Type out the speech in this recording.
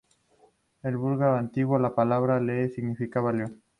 En búlgaro antiguo, la palabra "lev" significaba "león".